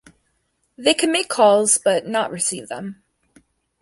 They could make calls but not receive them.